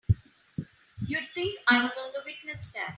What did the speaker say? You'd think I was on the witness stand!